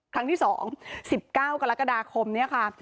ครั้งที่๒๑๙กรกฎาคมเนี่ยค่ะ